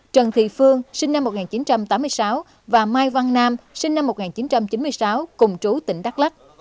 trần thị phương sinh năm một nghìn chín trăm tám mươi sáu và mai văn nam sinh năm một nghìn chín trăm chín mươi sáu cùng trú tỉnh đắk lắc